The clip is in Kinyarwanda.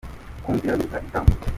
Kumvira biruta ibitambo